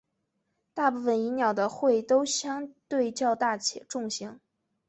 大部份蚁鸟的喙都相对较大及重型。